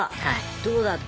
どうだった？